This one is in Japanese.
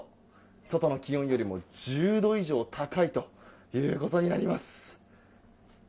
外の気温よりも１０度以上高いということになります。